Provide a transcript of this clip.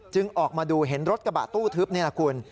ออกมาดูเห็นรถกระบะตู้ทึบนี่แหละคุณ